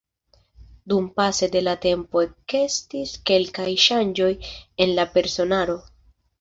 Dumpase de la tempo ekestis kelkaj ŝanĝoj en la personaro.